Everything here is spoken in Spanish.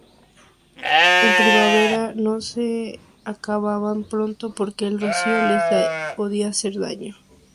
En primavera no se sacaban pronto porque el rocío les podía hacer daño.